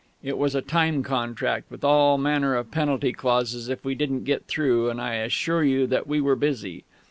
It was a time contract, with all manner of penalty clauses if we didn't get through; and I assure you that we were busy.